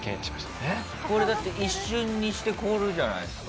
これだって一瞬にして凍るじゃないですか。